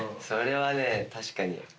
それは確かにね。